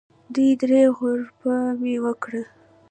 دوه درې غوړپه مې وکړل.